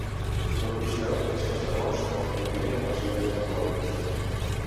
Tot i això, és més famós com a pioner en els viatges en globus.